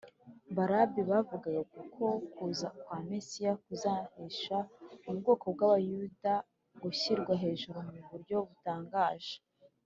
. Ba Rabbi bavugaga uko kuza kwa Mesiya kuzahesha ubwoko bw’Abayuda gushyirwa hejuru mu buryo butangaje